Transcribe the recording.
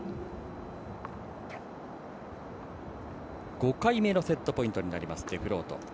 ５回目のセットポイントになります、デフロート。